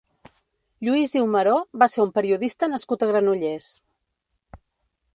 Lluís Diumaró va ser un periodista nascut a Granollers.